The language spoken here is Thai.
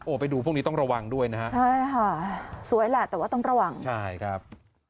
ไปดูพวกนี้ต้องระวังด้วยนะฮะใช่ค่ะสวยแหละแต่ว่าต้องระวังใช่ครับ